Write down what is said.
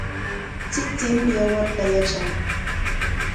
Tsiktsim yawarta yatran.